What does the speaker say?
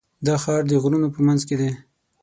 دا ښار د غرونو په منځ کې دی.